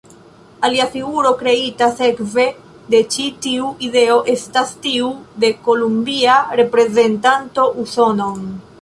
Alia figuro kreita sekve de ĉi tiu ideo estas tiu de Kolumbia reprezentanta Usonon.